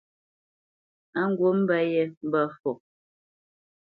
Á ŋgǔt mbə̄ yé mbə̄ fɔ.